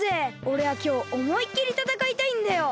おれはきょうおもいっきりたたかいたいんだよ！